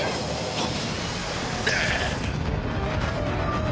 あっ！